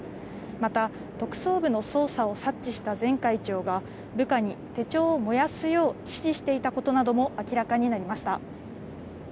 また、特捜部の捜査を察知した前会長が、部下に手帳を燃やすよう指示していたことなども明らかになりました。